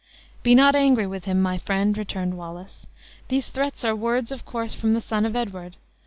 "Be not angry with him, my friend," returned Wallace; "these threats are words of course from the son of Edward.